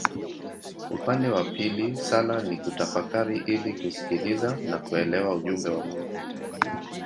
Upande wa pili sala ni kutafakari ili kusikiliza na kuelewa ujumbe wa Mungu.